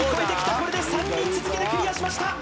これで３人続けてクリアしました